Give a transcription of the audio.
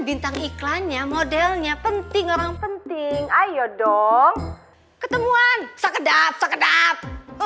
bintang iklannya modelnya penting orang penting ayo dong ketemuan sekedar